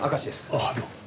ああどうも。